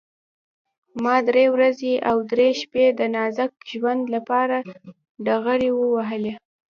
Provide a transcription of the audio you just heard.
ما درې ورځې او درې شپې د نازک ژوند لپاره ډغرې ووهلې.